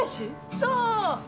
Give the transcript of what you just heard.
そう！